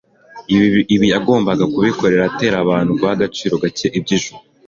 Ibi yagombaga kubikora atera abantu guha agaciro gake iby'ijuru,